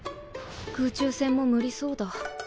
空中戦も無理そうだ。